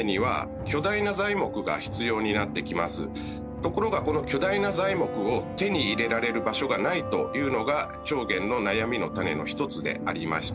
ところがこの巨大な材木を手に入れられる場所がないというのが重源の悩みの種の一つでありました。